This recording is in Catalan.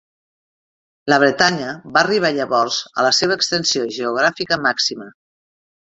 La Bretanya va arribar llavors a la seva extensió geogràfica màxima.